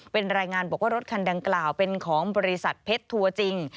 เป็นรายงานบอกว่ารถคันดังกล่าวเป็นของบริษัทเพชรทัวร์จริง